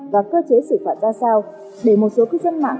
và cơ chế xử phạt ra sao để một số cư dân mạng